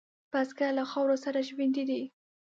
بزګر له خاورو سره ژوندی دی